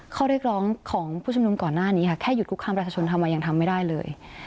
ข้อเรียกร้องของผู้ชุมนุมก่อนหน้านี้ค่ะแค่หยุดคุกคามประชาชนทำไมยังทำไม่ได้เลย